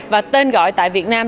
và tên gọi tại việt nam